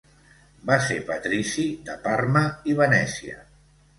Va ser Patrici de Parma i Venècia.